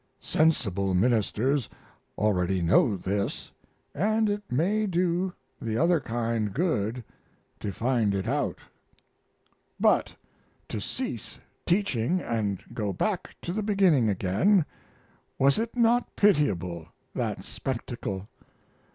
Sensible ministers already know this, and it may do the other kind good to find it out. But to cease teaching and go back to the beginning again, was it not pitiable that spectacle?